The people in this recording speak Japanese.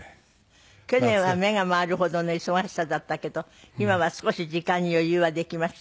去年は目が回るほどの忙しさだったけど今は少し時間に余裕はできました？